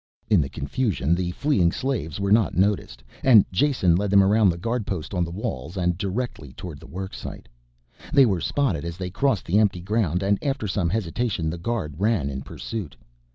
In the confusion the fleeing slaves were not noticed, and Jason led them around the guard post on the walls and directly towards the worksite. They were spotted as they crossed the empty ground and after some hesitation the guard ran in pursuit.